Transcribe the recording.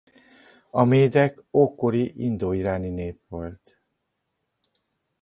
A médek ókori indoiráni nép volt.